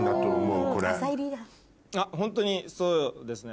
ホントにそうですね。